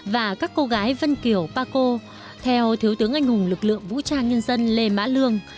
và các cô gái vân kiều pa co theo thiếu tướng anh hùng lực lượng vũ trang nhân dân lê mã lương